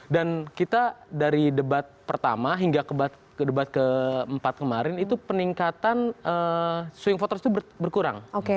dan kita dari debat pertama hingga ke debat keempat kemarin itu peningkatan swing voters itu berkurang